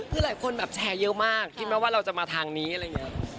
คือหลายคนแบบแชร์เยอะมากคิดไหมว่าเราจะมาทางนี้อะไรอย่างนี้